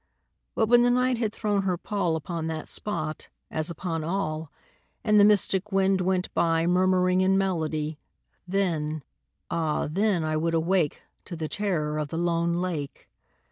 But when the Night had thrown her pall Upon the spot, as upon all, And the mystic wind went by Murmuring in melody Then ah, then, I would awake To the terror of the lone lake.